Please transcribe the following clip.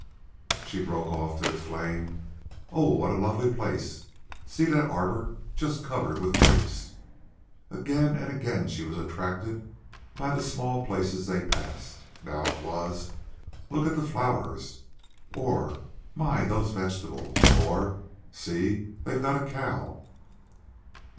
She broke off to exclaim: "Oh! What a lovely place! See that arbor just covered with grapes!" Again and again she was attracted by the small places they passed. Now it was: "Look at the flowers!" or: "My! those vegetables!" or: "See! They've got a cow!"